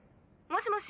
もしもし？